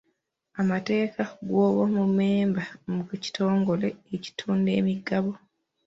Amateeka g'obwa mmemba mu kitongole ekitunda emigabo.